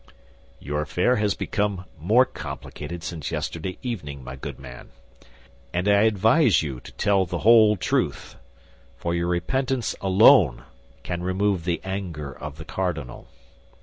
"Your affair has become more complicated since yesterday evening, my good man, and I advise you to tell the whole truth; for your repentance alone can remove the anger of the cardinal."